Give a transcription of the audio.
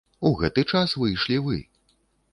У гэты час выйшлі вы.